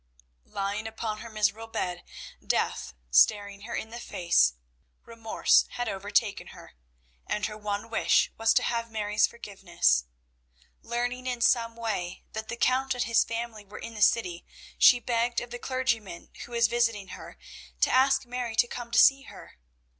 Lying upon her miserable bed, death staring her in the face, remorse had overtaken her, and her one wish was to have Mary's forgiveness. Learning in some way, that the Count and his family were in the city, she begged of the clergyman who was visiting her to ask Mary to come to see her.